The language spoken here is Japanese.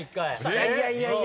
いやいやいやいや。